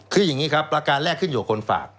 คืออย่างนี้ครับประการแรกขึ้นอยู่กับคนฝาก